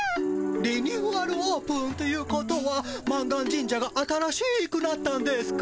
リニューアルオープンということは満願神社が新しくなったんですか？